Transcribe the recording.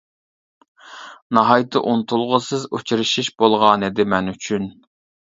ناھايىتى ئۇنتۇلغۇسىز ئۇچرىشىش بولغانىدى مەن ئۈچۈن .